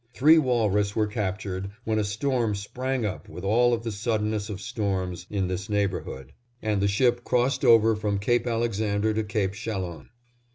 Three walrus were captured, when a storm sprang up with all of the suddenness of storms in this neighborhood, and the ship crossed over from Cape Alexander to Cape Chalon.